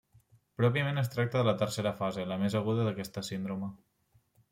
Pròpiament es tracta de la tercera fase, la més aguda d'aquesta síndrome.